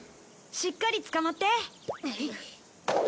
しっかりつかまって。